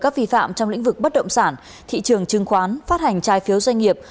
các vi phạm trong lĩnh vực bất động sản thị trường chứng khoán phát hành trái phiếu doanh nghiệp